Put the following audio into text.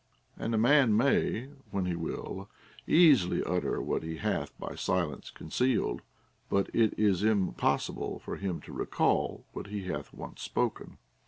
And a man may, when he ΛνϊΠ, easily utter what he hath by silence concealed ; but it is impossible for him to recall what he hath once spoken.